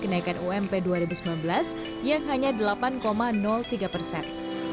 kenaikan ump dua ribu sembilan belas yang hanya delapan tiga persen